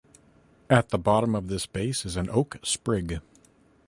At the bottom of this base is an oak sprig.